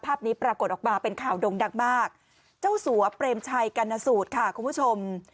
ภาพนี้ปรากฏออกมาเป็นข่าวดงดังมากเจ้าสัวเปรมชัยกรรณสูตรค่ะคุณผู้ชม